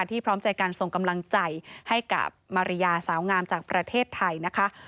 พร้อมใจการส่งกำลังใจให้กับมาริยาสาวงามจากประเทศไทยนะคะ